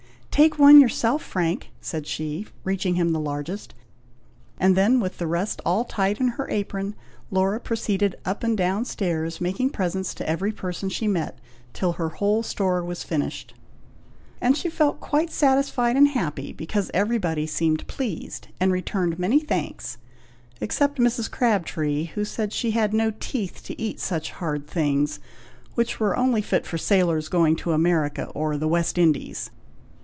"Take one yourself, Frank!" said she, reaching him the largest, and then, with the rest all tied in her apron, Laura proceeded up and down stairs, making presents to every person she met, till her whole store was finished; and she felt quite satisfied and happy because everybody seemed pleased and returned many thanks, except Mrs. Crabtree, who said she had no teeth to eat such hard things, which were only fit for sailors going to America or the West Indies.